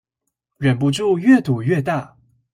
忍不住越賭越大